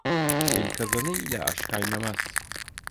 El kazanı ile aş kaynamaz.